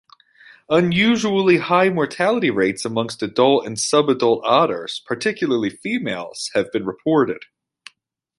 Unusually high mortality rates amongst adult and subadult otters, particularly females, have been reported.